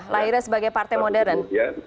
lahirnya sebagai partai modern